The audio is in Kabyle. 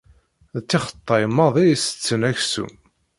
D tixeṭṭay maḍi i tetten aksum.